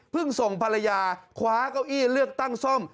ส่งภรรยาคว้าเก้าอี้เลือกตั้งซ่อม